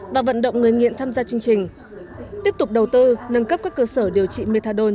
và vận động người nghiện tham gia chương trình tiếp tục đầu tư nâng cấp các cơ sở điều trị methadone